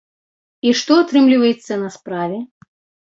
І што атрымліваецца на справе?